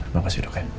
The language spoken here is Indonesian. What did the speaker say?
makasih dok ya